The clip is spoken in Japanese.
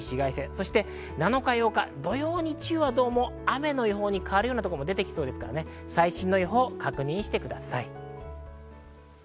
そして７日、８日、土曜、日曜は雨の予報に変わるところも出てきそうですから、最新の予報を確認してください。